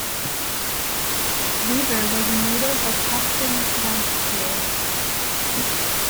Weever was a native of Preston, Lancashire.